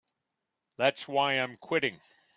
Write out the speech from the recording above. That's why I'm quitting.